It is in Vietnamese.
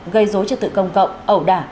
gây dối trật tự công cộng ẩu đả